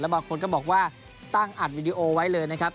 บางคนก็บอกว่าตั้งอัดวิดีโอไว้เลยนะครับ